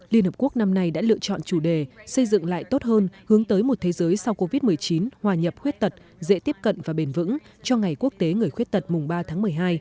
liên hợp quốc năm nay đã lựa chọn chủ đề xây dựng lại tốt hơn hướng tới một thế giới sau covid một mươi chín hòa nhập khuyết tật dễ tiếp cận và bền vững cho ngày quốc tế người khuyết tật mùng ba tháng một mươi hai